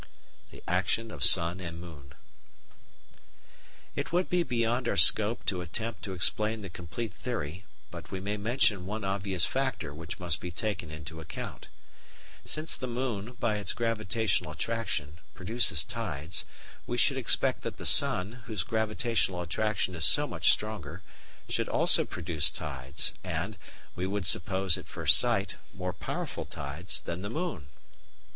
The Action of Sun and Moon It would be beyond our scope to attempt to explain the complete theory, but we may mention one obvious factor which must be taken into account. Since the moon, by its gravitational attraction, produces tides, we should expect that the sun, whose gravitational attraction is so much stronger, should also produce tides and, we would suppose at first sight, more powerful tides than the moon.